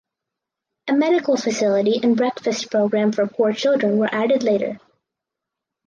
A medical facility and breakfast program for poor children were added later.